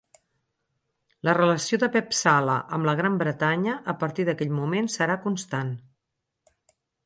La relació de Pep Sala amb la Gran Bretanya a partir d'aquell moment serà constant.